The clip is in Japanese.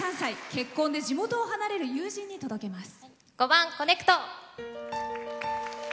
結婚で地元を離れる友人に届けます。